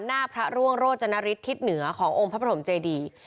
หน้าพระร่วงโรจนฤทธิทิศเหนือขององค์พระปฐมเจดี